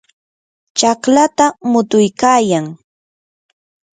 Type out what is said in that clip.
chaqlata mutuykayan.